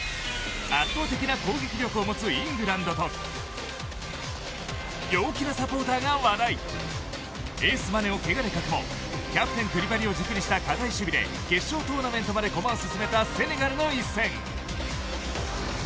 圧倒的な攻撃力を持つイングランドと陽気なサポーターが話題エース・マネをケガで欠くもキャプテン・クリバリを軸にした堅い守備で決勝トーナメントまで駒を進めたセネガルの一戦。